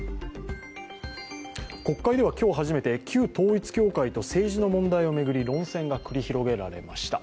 国会では今日初めて旧統一教会と政治の問題を巡り論戦が繰り広げられました。